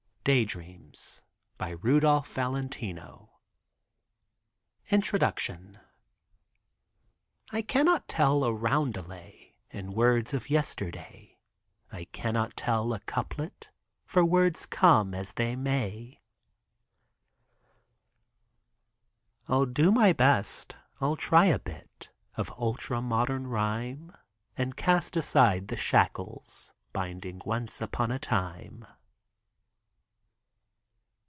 G. MY FRIENDS HERE AND THERE INTRODUCTION I can not tell a rondelay In words of yesterday I can not tell a couplet For words come as they may. I'll do my best — I'll try a bit Of ultra modern rhyme And cast aside the shackles Binding "Once upon a time.'